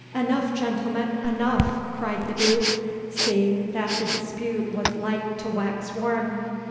'Enough, gentlemen, enough!' cried the Duke, seeing that the dispute was like to wax warm.